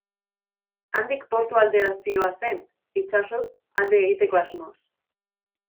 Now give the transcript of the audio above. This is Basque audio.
Handik portu aldera zihoazen, itsasoz alde egiteko asmoz.